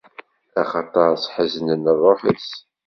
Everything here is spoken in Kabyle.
Axaṭer sḥeznen ṛṛuḥ-is.